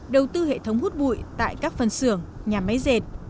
đầu tư hệ thống hút bụi tại các phân xưởng nhà máy dệt